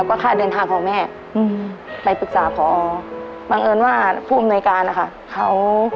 ผู้อำนวยการเขา